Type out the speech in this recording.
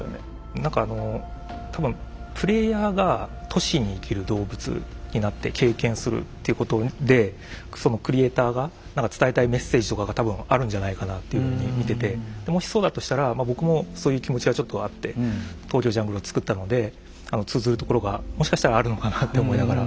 何かあの多分プレイヤーが都市に生きる動物になって経験するっていうことでそのクリエイターが何か伝えたいメッセージとかが多分あるんじゃないかなっていうふうに見ててもしそうだとしたら僕もそういう気持ちはちょっとあって「ＴＯＫＹＯＪＵＮＧＬＥ」を作ったので通ずるところがもしかしたらあるのかなって思いながら。